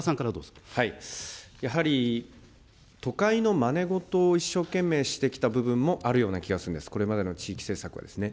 やはり都会のまねごとを一生懸命してきた部分もあるような気もするんです、これまでの地域政策はですね。